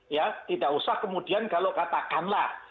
ya tidak usah kemudian kalau katakanlah